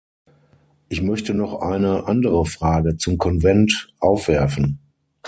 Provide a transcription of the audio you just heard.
Ich möchte noch eine andere Frage zum Konvent aufwerfen.